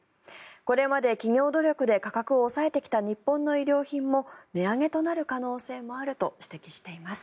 これまで企業努力で価格を抑えてきた日本の企業も値上げとなる可能性もあると指摘しています。